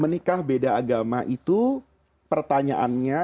menikah beda agama itu pertanyaannya